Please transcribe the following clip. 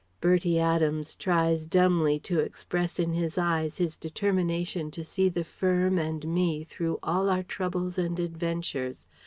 Bertie Adams tries dumbly to express in his eyes his determination to see the firm and me through all our troubles and adventures.